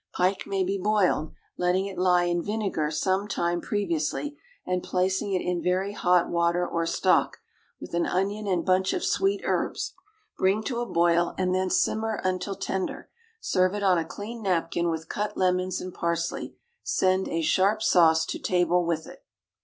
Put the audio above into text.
Pike may be boiled, letting it lie in vinegar some time previously, and placing it in very hot water or stock, with an onion and bunch of sweet herbs. Bring to a boil, and then simmer until tender. Serve it on a clean napkin with cut lemons and parsley; send a sharp sauce to table with it.